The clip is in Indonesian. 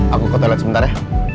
aku ke toilet sebentar ya